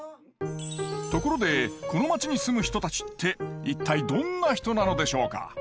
ところでこの町に住む人たちって一体どんな人なのでしょうか？